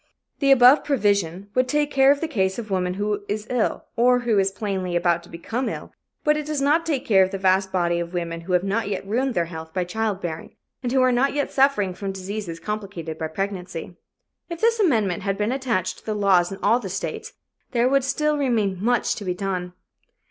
The above provision would take care of the case of the woman who is ill, or who is plainly about to become ill, but it does not take care of the vast body of women who have not yet ruined their health by childbearing and who are not yet suffering from diseases complicated by pregnancy. If this amendment had been attached to the laws in all the states, there would still remain much to be done.